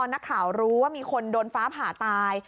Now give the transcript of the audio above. นักข่าวรู้ว่ามีคนโดนฟ้าผ่าตาย